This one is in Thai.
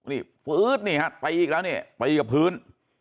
นี่ฟื๊ดนี่ฮะตีอีกแล้วนี่ตีกับพื้น